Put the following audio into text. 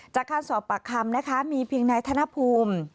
จากการสอบปากคำนะคะมีเพียงนายธนภูมิ